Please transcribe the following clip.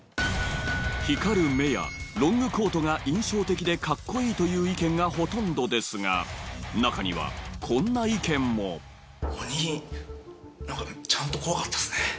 光る目やロングコートが印象的でカッコいいという意見がほとんどですが中にはこんな意見も鬼何かちゃんと怖かったですね